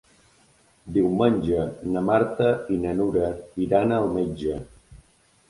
Diumenge na Marta i na Nura iran al metge.